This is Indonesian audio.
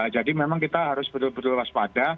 jadi memang kita harus betul betul waspada